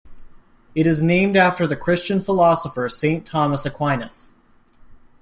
It is named after the Christian philosopher Saint Thomas Aquinas.